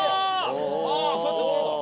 ああそうやって取るんだ。